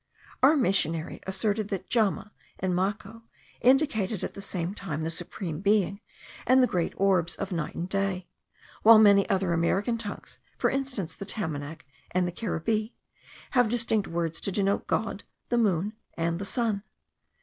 Our missionary asserted that jama, in Maco, indicated at the same time the Supreme Being, and the great orbs of night and day; while many other American tongues, for instance the Tamanac, and the Caribbee, have distinct words to denote God, the Moon, and the Sun.